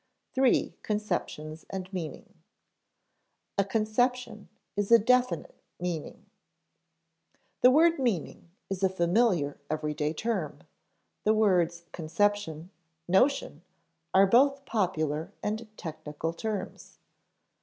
§ 3. Conceptions and Meaning [Sidenote: A conception is a definite meaning] The word meaning is a familiar everyday term; the words conception, notion, are both popular and technical terms.